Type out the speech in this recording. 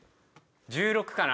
１６かな。